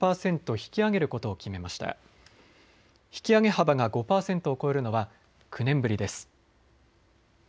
引き上げ幅が５％を超えるのは９年ぶりです。